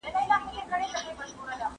تاسو هم په ځان باور ولرئ.